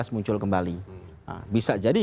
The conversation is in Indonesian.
muncul kembali bisa jadi